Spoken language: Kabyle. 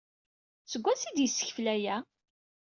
Seg wansi ay d-yessekfel aya?